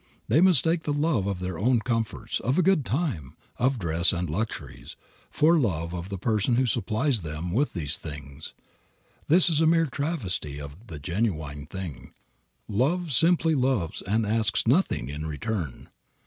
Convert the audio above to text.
They mistake the love of their own comforts, of a good time, of dress and luxuries, for love of the person who supplies them with these things. This is a mere travesty of the genuine thing. Love simply loves and asks nothing in return.